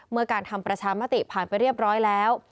เมื่อการทำประชามติผ่านไปเรียบร้อยแล้ว